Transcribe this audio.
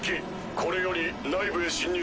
これより内部へ侵入する。